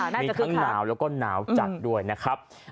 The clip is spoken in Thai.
มีทั้งหนาวแล้วก็หนาวจัดด้วยนะครับ